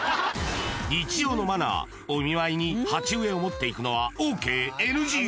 日常のマナー、お見舞いに鉢植えを持っていくのはＯＫ！